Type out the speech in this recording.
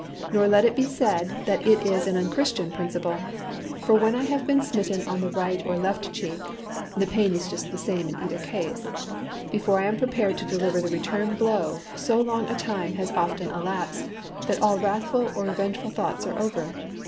Nor let it be said that it is an unchristian principle; for when I have been smitten on the right or left cheek (the pain is just the same in either case), before I am prepared to deliver the return blow so long a time has often elapsed that all wrathful or revengeful thoughts are over.